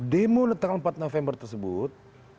demo tanggal empat november tersebut